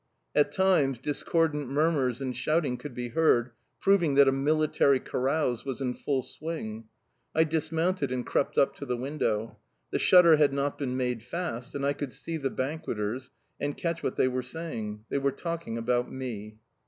At times, discordant murmurs and shouting could be heard, proving that a military carouse was in full swing. I dismounted and crept up to the window. The shutter had not been made fast, and I could see the banqueters and catch what they were saying. They were talking about me.